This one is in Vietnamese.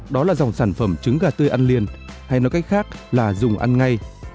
đó là dòng sản phẩm trứng gà tươi ăn liền hay nói cách khác là dùng ăn ngay